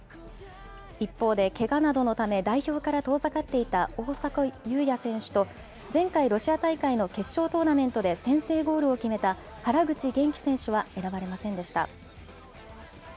一方で、けがなどのため、代表から遠ざかっていた大迫勇也選手と、前回、ロシア大会の決勝トーナメントで先制ゴールを決めた原口元気選手は選ばれませんでした。